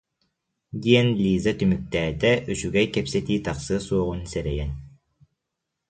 диэн Лиза түмүктээтэ, үчүгэй кэпсэтии тахсыа суоҕун сэрэйэн